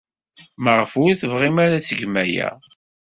Maɣef ur tebɣim ara ad tgem aya?